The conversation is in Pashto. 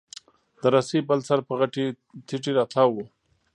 د رسۍ بل سر په غټې تېږي راتاو و.